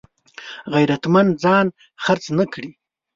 غیرتمند ځان خرڅ نه کړي